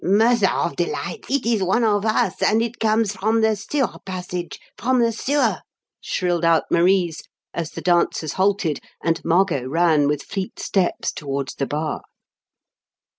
"Mother of delights! It is one of us, and it comes from the sewer passage from the sewer!" shrilled out Marise, as the dancers halted and Margot ran, with fleet steps, towards the bar.